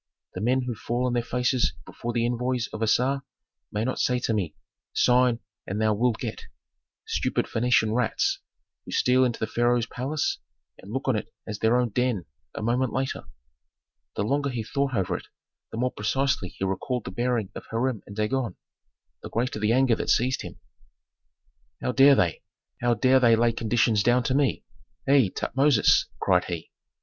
The men who fall on their faces before the envoys of Assar may not say to me, 'Sign and thou wilt get!' Stupid Phœnician rats, who steal into the pharaoh's palace and look on it as their own den a moment later!" The longer he thought over it the more precisely he recalled the bearing of Hiram and Dagon, the greater the anger that seized him, "How dare they how dare they lay conditions down to me? Hei, Tutmosis!" cried he.